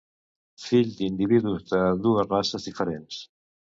Fill d'individus de dues races diferents.